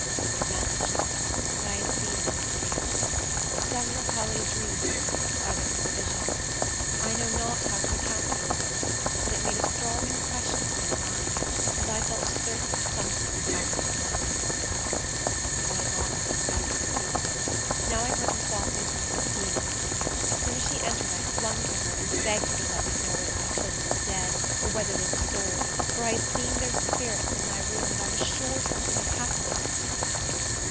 They vanished; but I had seen them distinctly. Some will call it a dream, others a vision. I know not how to account for it, but it made a strong impression on my mind, and I felt certain something had happened to my little ones. I had not seen Betty since morning. Now I heard her softly turning the key. As soon as she entered, I clung to her, and begged her to let me know whether my children were dead, or whether they were sold; for I had seen their spirits in my room, and I was sure something had happened to them.